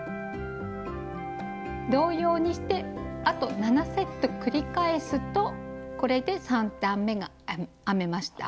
同様にしてあと７セット繰り返すとこれで３段めが編めました。